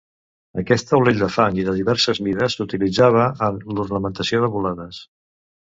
Aquest taulell de fang i de diverses mides s'utilitzava en l'ornamentació de volades.